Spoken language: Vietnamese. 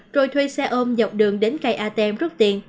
rồi thuê xe ôm dọc đường đến cây atm rút tiền